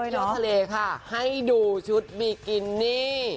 ไปเที่ยวทะเลค่ะให้ดูชุดบีกินิ